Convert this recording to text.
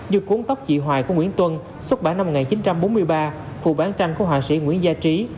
như cuốn tóc chị hoài của nguyễn tuân xuất bản năm một nghìn chín trăm bốn mươi ba phụ bán tranh của họa sĩ nguyễn gia trí